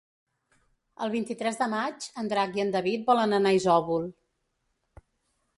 El vint-i-tres de maig en Drac i en David volen anar a Isòvol.